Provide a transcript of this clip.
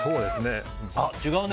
あ、違うね。